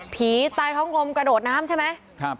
ตายท้องกลมกระโดดน้ำใช่ไหม